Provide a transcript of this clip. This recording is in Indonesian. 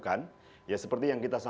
karya karya setiap polisi